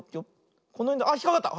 このへんであっひっかかった！